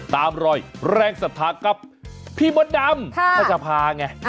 ตามรอยแรงศรัทธากับพี่บ๊อตดำขจภาพไง